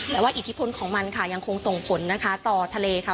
แต่ว่าอิทธิพลของมันค่ะยังคงส่งผลนะคะต่อทะเลค่ะ